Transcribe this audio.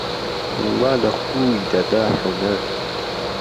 وا لە خوی دەدا حونەر